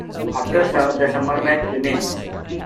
After the summer melt, remains.